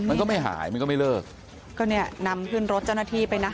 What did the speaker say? มันก็ไม่หายมันก็ไม่เลิกก็เนี่ยนำขึ้นรถเจ้าหน้าที่ไปนะ